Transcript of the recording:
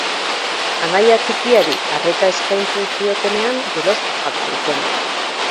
Anaia txikiari arreta eskaintzen ziotenean jeloskor Jartzen zen.